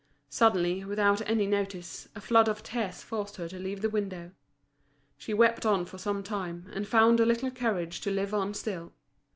Suddenly, without any notice, a flood of tears forced her to leave the window. She wept on for some time, and found a little courage to live on still.